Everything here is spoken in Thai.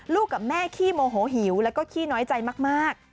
กับแม่ขี้โมโหหิวแล้วก็ขี้น้อยใจมาก